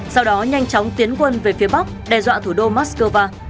sau đó nhanh chóng tiến quân về phía bắc đe dọa thủ đô moscow